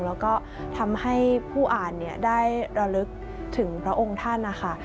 แล้วก็ทำให้ผู้อ่านได้ระลึกถึงพระองค์ท่านนะคะ